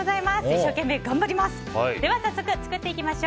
一生懸命頑張ります。